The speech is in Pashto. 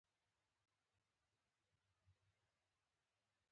جاغور لا ډک راوړي شیرجان.